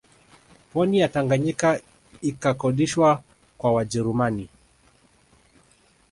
Pwani ya Tanganyika ikakodishwa kwa Wajerumani